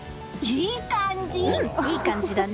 いい感じだね。